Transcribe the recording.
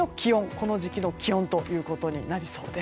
この時期の気温ということになりそうです。